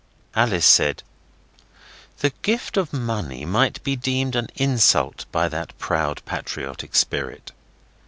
Alice said, 'The gift of money might be deemed an insult by that proud, patriotic spirit.